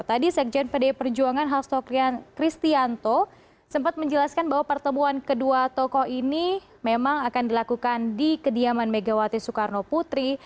tadi sekjen pdi perjuangan hasto kristianto sempat menjelaskan bahwa pertemuan kedua tokoh ini memang akan dilakukan di kediaman megawati soekarno putri